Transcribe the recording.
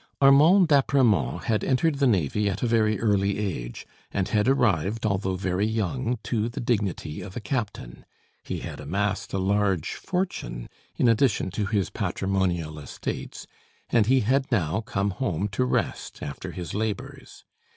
Armand d'Apremont had entered the navy at a very early age, and had arrived, although very young, to the dignity of a captain. He had amassed a large fortune, in addition to his patrimonial estates, and he had now come home to rest after his labors.